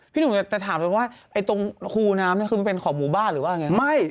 พี่หนุ่มแต่ถามกันว่าไอ้ตรงคูน้ำนี่คือมันเป็นขอบหมู่บ้านหรือว่าอย่างนี้